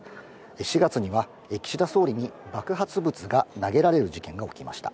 ４月には岸田総理に爆発物が投げられる事件が起きました。